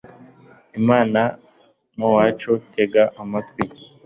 imana, n'uwacu; tega amatwi